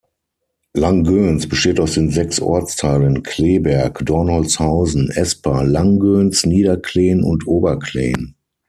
Langgöns besteht aus den sechs Ortsteilen Cleeberg, Dornholzhausen, Espa, Lang-Göns, Niederkleen und Oberkleen.